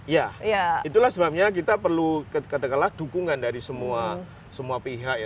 ya itulah sebabnya kita perlu katakanlah dukungan dari semua pihak ya